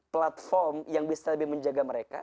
platform yang bisa lebih menjaga mereka